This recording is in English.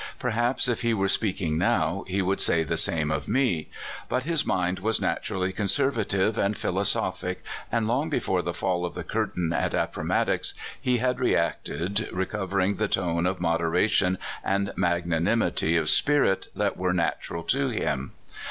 Perhaps if he were speaking now, he would say the same of me. But his mind was naturally conservative and philosophic, and long before the fall of the curtain at Appomattox he had reacted, recovering the tone of moderation and magnanimity of spirit that were natural to him.